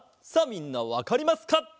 さあみんなわかりますか？